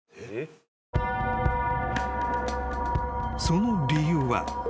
［その理由は］